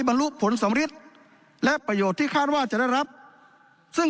บรรลุผลสำริทและประโยชน์ที่คาดว่าจะได้รับซึ่ง